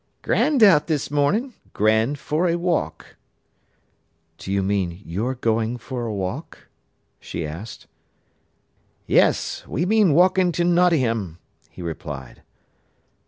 "Grand out this morning—grand for a walk." "Do you mean you're going for a walk?" she asked. "Yes. We mean walkin' to Nottingham," he replied.